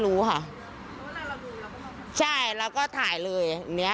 คุณอาจก็ยันต์เลยค่ะ